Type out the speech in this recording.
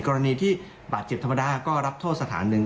กรณีที่บาดเจ็บธรรมดาก็รับโทษสถานหนึ่ง